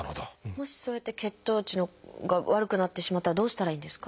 もしそうやって血糖値が悪くなってしまったらどうしたらいいんですか？